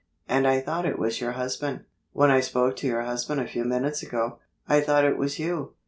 And I thought it was your husband. When I spoke to your husband a few minutes ago I thought it was you."